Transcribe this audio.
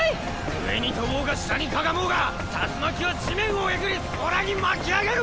上に跳ぼうが下にかがもうが竜巻は地面をえぐり空に巻き上げる！